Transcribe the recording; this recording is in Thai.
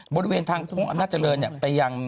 บริเวณทางโค้งอำนาจเจริญไปยัง